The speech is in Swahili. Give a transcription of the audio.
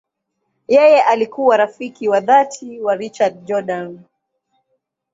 Yeye alikuwa rafiki wa dhati wa Richard Jordan.